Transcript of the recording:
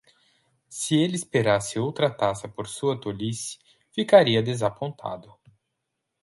Se ele esperasse outra taça por sua tolice, ficaria desapontado!